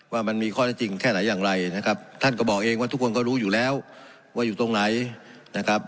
ว่ามันมีข้อได้จริงแค่ไหนอย่างไรนะครับท่านก็บอกเองว่าทุกคนก็รู้อยู่แล้วว่าอยู่ตรงไหนนะครับ